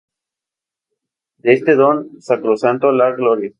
De este don sacrosanto la gloria